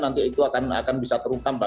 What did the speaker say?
nanti itu akan bisa terungkap pak